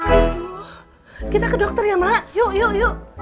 aduh kita ke dokter ya ma yuk yuk yuk